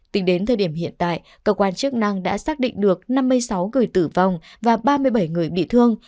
tính đến thời điểm hiện tại cơ quan chức năng đã xác định được năm mươi sáu người tử vong và ba mươi bảy người bị thương